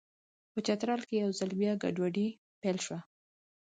په چترال کې یو ځل بیا ګډوډي پیل شوه.